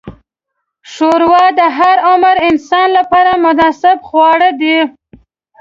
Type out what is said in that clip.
ښوروا د هر عمر انسان لپاره مناسب خواړه ده.